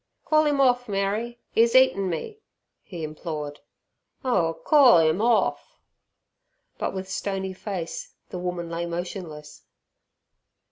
"Call 'im orf, Mary, 'e's eatin' me," he implored. "Oh corl 'im orf." But with stony face the woman lay motionless.